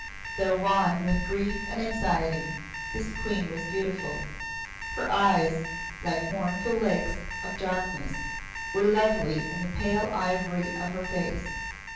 Though wan with grief and anxiety, this Queen was beautiful. Her eyes, like mournful lakes of darkness, were lovely in the pale ivory of her face.